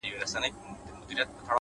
حوصله د اوږدو لارو ملګرې ده’